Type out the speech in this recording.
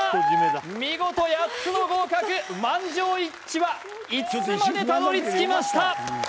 見事８つの合格満場一致は５つまでたどり着きました